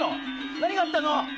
何があったの？